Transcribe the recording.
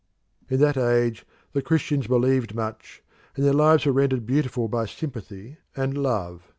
In that age the Christians believed much, and their lives were rendered beautiful by sympathy and love.